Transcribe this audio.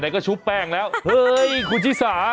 ก็ชุบแป้งแล้วเฮ้ยคุณชิสา